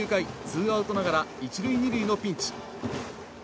ツーアウトながら１塁２塁のピンチ。